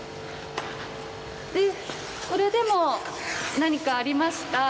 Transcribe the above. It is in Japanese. でそれでも何かありました。